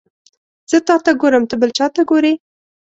زه تاته ګورم ته بل چاته ګوري